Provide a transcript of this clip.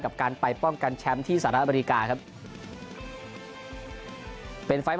กับการไปป้องกันแชมป์ที่สหรัฐอเมริกาครับ